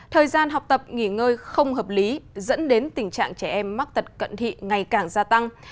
thời gian học tập nghỉ ngơi không hợp lý dẫn đến tình trạng trẻ em mắc tật cận thị ngày càng gia tăng